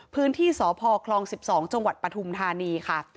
พื้นที่สพคลอง๑๒จังหวัดปฐุมธานีค่ะ